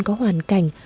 có hoàn cảnh